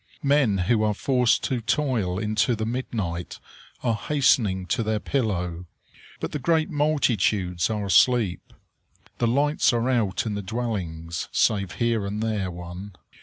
Men who are forced to toil into the midnight are hastening to their pillow. But the great multitudes are asleep. The lights are out in the dwellings, save here and there one.